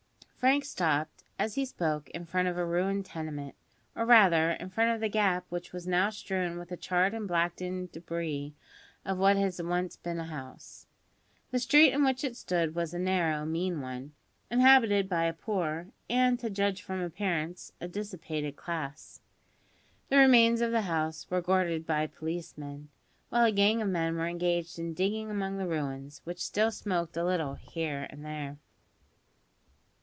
Frank stopped, as he spoke, in front of a ruined tenement, or rather, in front of the gap which was now strewn with the charred and blackened debris of what had once been a house. The street in which it stood was a narrow, mean one, inhabited by a poor, and, to judge from appearance, a dissipated class. The remains of the house were guarded by policemen, while a gang of men were engaged in digging among the ruins, which still smoked a little here and there.